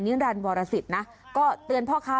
เดือดรอดมันก็มีเงื่อนเนอะ